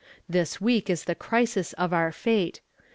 This week is the crisis of our fate.